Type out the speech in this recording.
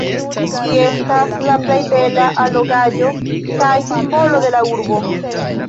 Ĝi estas la plej bela allogaĵo kaj simbolo de la urbo.